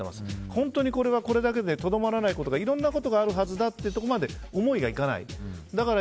本当はこれだけでとどまらないことがいろんなことがあるはずだというところまで思いがいかない。